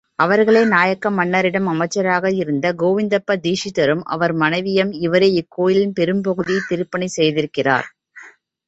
அவர்களே நாயக்க மன்னரிடம் அமைச்சராக இருந்த கோவிந்தப்ப தீக்ஷிதரும் அவர் மனைவியும், இவரே இக்கோயிலின்பெரும் பகுதியைத் திருப்பணி செய்திருக்கிறார்.